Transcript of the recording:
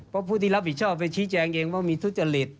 เพราะผู้ที่รับผิดชอบไปชี้แจงเองว่ามีทุจริต